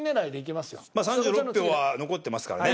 まあ３６票は残ってますからね。